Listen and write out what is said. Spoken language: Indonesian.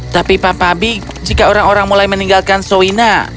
tapi papa big jika orang orang mulai meninggalkan soina